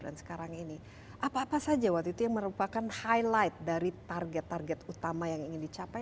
sekarang ini apa apa saja waktu itu yang merupakan highlight dari target target utama yang ingin dicapai